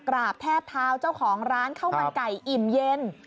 กราบแทบเท้าเจ้าของร้านข้าวมันไก่อิ่มเย็น